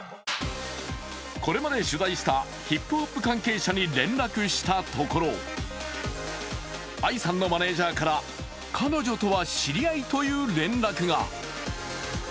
これまで取材したヒップホップ関係者に連絡したところＡＩさんのマネージャーから知り合いとの連絡が。